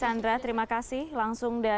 sudah malam maksudnya